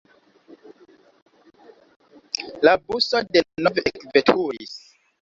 La buso denove ekveturis.